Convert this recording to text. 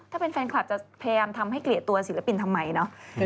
ถ้าเป็นแฟนคลับจะพยายามทำให้เกลียดตัวศิลปินทำไมเนาะ